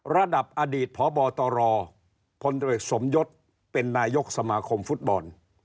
ระดับอดีตพบตรพลตรวจสมยศเป็นนายกสมาคมฟุตบอล